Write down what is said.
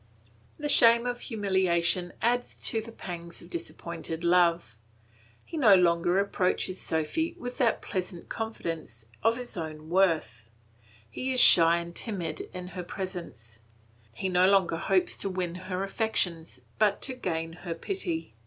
The shame of humiliation adds to the pangs of disappointed love. He no longer approaches Sophy with that pleasant confidence of his own worth; he is shy and timid in her presence. He no longer hopes to win her affections, but to gain her pity.